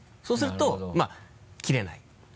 そうするとまぁキレない。